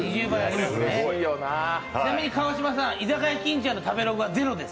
ちなみに川島さん、居酒屋金ちゃんの食べログはゼロです！